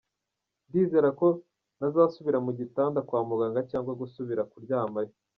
Ndizera ko ntazasubira mu gitanda kwa muganga cyangwa gusubira kuryamayo.”